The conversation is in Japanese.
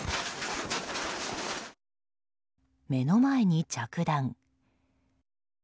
目の前に着弾。